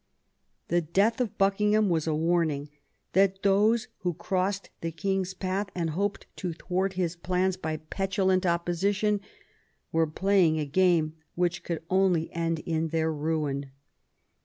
The death of Buckingham was a warning that those who crossed the king's path and hoped to thwart his plans by petulant opposition were playing a game which would only end in their own ruin.